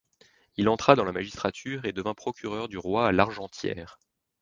Il entra dans la magistrature et devint procureur du roi à Largentière.